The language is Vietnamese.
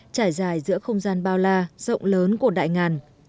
trải dài giữa không gian bao la rộng lớn của đại ngàn